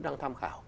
năng tham khảo